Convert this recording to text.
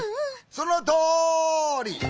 そのとおり！